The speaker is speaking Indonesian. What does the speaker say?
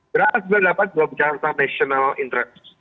gerakan sembilan puluh delapan berbicara tentang national interest